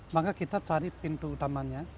maka kita cari pintu utamanya